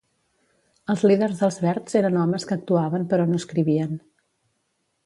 "Els líders dels Verds eren homes que actuaven però no escrivien".